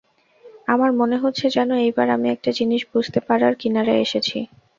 আমার মনে হচ্ছে যেন এইবার আমি একটা জিনিস বুঝতে পারার কিনারায় এসেছি।